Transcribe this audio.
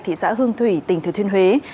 thị xã hương thủy tỉnh thứa thuyên huế